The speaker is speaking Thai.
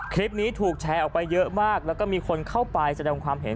คลิปนี้ถูกแชร์ออกไปเยอะมากแล้วก็มีคนเข้าไปแสดงความเห็น